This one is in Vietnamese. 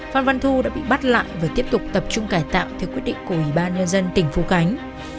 phan văn thu đã bị bắt lại và tiếp tục tập trung cải tạo theo quyết định của ủy ban nhân dân tỉnh phú khánh